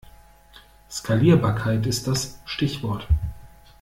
Skalierbarkeit ist das Stichwort.